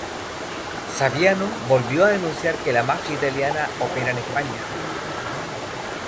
Saviano volvió a denunciar que la mafia italiana opera en España